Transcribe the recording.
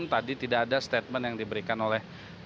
tadi tidak ada statement yang diberikan oleh